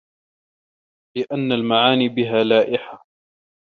لِأَنَّ الْمَعَانِيَ بِهَا لَائِحَةٌ